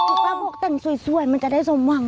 คุณป้าบอกแต่งสวยมันจะได้สมหวัง